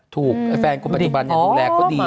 แฟนคนปัจจุบันดูแลเขาดี